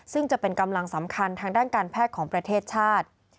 ซึ่งจะเป็นกำลังสำคัญทางด้านการแพทย์ของประเทศชาติ